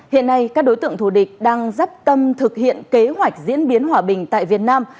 hiện nay các đối tượng thù địch đang dắp tâm thực hiện kế hoạch diễn biến hòa bình tại việt nam